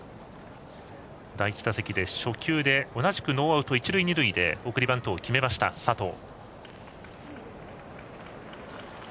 第１打席で初球で同じくノーアウト、一塁二塁で送りバントを決めた佐藤。